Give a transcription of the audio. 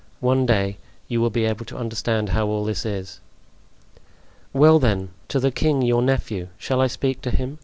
One day you will be able to understand how all this is." "Well, then, to the king, your nephew. Shall I speak to him?